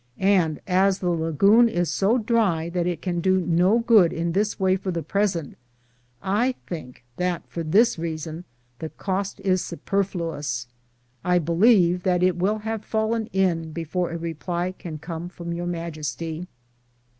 * And as the lagoon is so dry that it can do no good in this way for the present, I think that, for this reason, the cost is superfluous. I believe that it will have fallen in before a reply can come from Your Majesty.